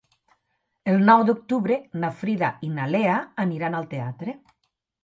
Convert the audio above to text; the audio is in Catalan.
El nou d'octubre na Frida i na Lea aniran al teatre.